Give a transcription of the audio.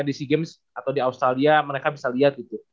dc games atau di australia mereka bisa liat gitu